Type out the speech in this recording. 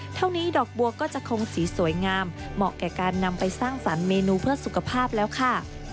เท่านี้ดอกบัวก็จะคงสีสวยงามเหมาะแก่การนำไปสร้างสรรค์เมนูเพื่อสุขภาพแล้วค่ะ